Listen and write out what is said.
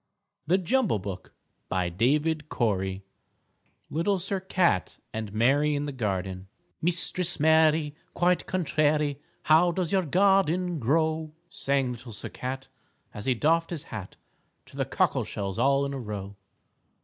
LITTLE SIR CAT Little Sir Cat and Mary in the Garden "_Mistress Mary, quite contrary, How does your garden grow?" Sang Little Sir Cat As he doffed his hat To the cockle shells all in a row.